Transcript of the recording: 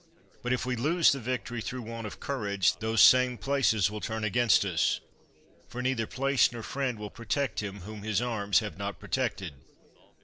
But if we lose the victory through want of courage, those same places will turn against us; for neither place nor friend will protect him whom his arms have not protected.